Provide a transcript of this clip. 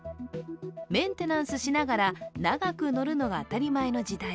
メンテナンスしながら長く乗るのが当たり前の時代。